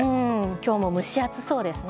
きょうも蒸し暑そうですね。